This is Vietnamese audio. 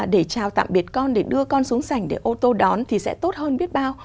để chào tạm biệt con để đưa con xuống sảnh để ô tô đón thì sẽ tốt hơn biết bao